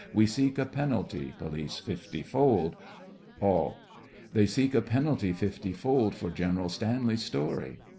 We seek a penalty POLICE: Fifty fold! ALL: They (We) seek a penalty fifty fold, For General Stanley's story.